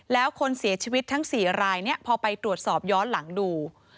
แล้วคนเสียชีวิตทั้ง๔รายเนี่ยพอไปตรวจสอบย้อนหลังดู